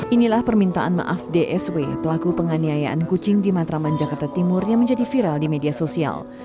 inilah permintaan maaf dsw pelaku penganiayaan kucing di matraman jakarta timur yang menjadi viral di media sosial